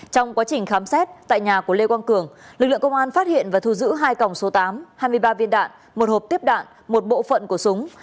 trong quá trình khám xét tại nhà của lê quang cường lực lượng công an phát hiện và thu giữ hai còng số tám hai mươi ba viên đạn một hộp tiếp đạn một bộ phận của súng